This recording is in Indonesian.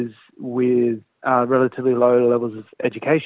dengan pendidikan yang sedikit